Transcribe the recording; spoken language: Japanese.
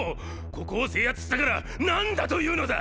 ここを制圧したから何だというのだ！！